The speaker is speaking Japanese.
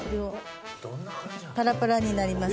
パラパラになります。